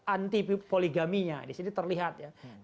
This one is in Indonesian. anti poligaminya disini terlihat